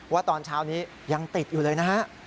ว่าตอนเช้านี้ยังติดอยู่เลยนะฮะ